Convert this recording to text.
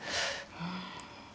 うん。